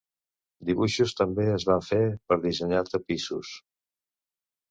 Dibuixos també es van fer per dissenyar tapissos.